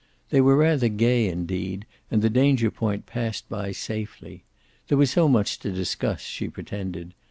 They were rather gay, indeed, and the danger point passed by safely. There was so much to discuss, she pretended.